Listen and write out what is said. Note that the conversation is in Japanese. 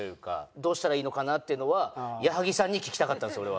どうしたらいいのかなっていうのは矢作さんに聞きたかったんです俺は。